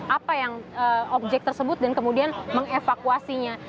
apa yang objek tersebut dan kemudian mengevakuasinya